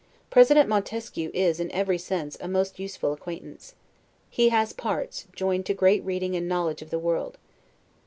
President Montesquieu is, in every sense, a most useful acquaintance. He has parts, joined to great reading and knowledge of the world.